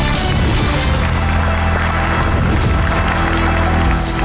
พร้อมเข้าสะเบลกท้าย